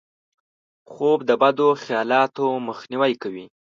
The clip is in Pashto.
خوب د بدو خیالاتو مخنیوی کوي